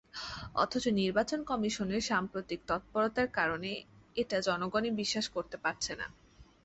অথচ নির্বাচন কমিশনের সাম্প্রতিক তৎপরতার কারণে এটা জনগণই বিশ্বাস করতে পারছে না।